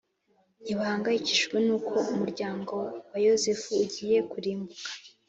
ntibahangayikishijwe n’uko umuryango wa Yozefu ugiye kurimbuka.